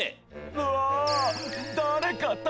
うわ！